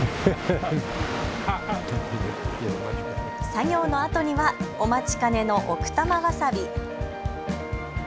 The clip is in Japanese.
作業のあとにはお待ちかねの奥多摩わさび。